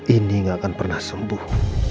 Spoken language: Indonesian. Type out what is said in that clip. ini gak akan pernah sembuh